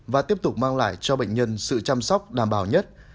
và tiếp tục mang lại cho bệnh nhân sự chăm sóc đảm bảo nhất